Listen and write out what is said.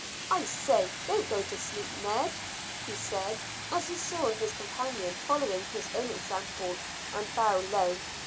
"I say, don't go to sleep, Ned," he said, as he saw his companion follow his own example and bow low.